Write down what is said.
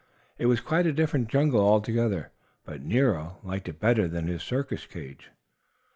It was quite a different jungle altogether, but Nero liked it better than his circus cage.